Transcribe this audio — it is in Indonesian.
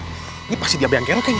ini pasti dia beang gerok kayaknya